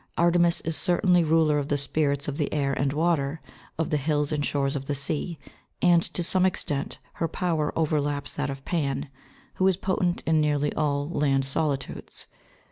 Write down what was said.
Artemis is certainly ruler of the spirits of the air and water, of the hills and shores of the sea, and to some extent her power overlaps that of Pan who is potent in nearly all land solitudes.